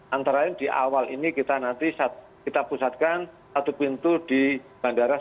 antara lain di awal ini kita nanti kita pusatkan satu pintu di bandara